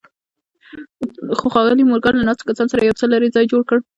خو ښاغلي مورګان له ناستو کسانو یو څه لرې ځای جوړ کړ